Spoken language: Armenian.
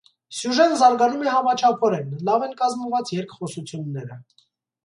Սյուժեն զարգանում է համաչափորեն, լավ են կազմված երկխոսությունները։